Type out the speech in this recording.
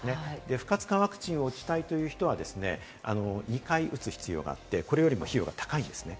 不活化ワクチンを打ちたいという人はですね、２回打つ必要があって、これよりも費用が高いんですね。